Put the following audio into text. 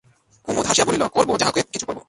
কুমুদ হাসিয়া বলিল, করব, যাহোক কিছু করব!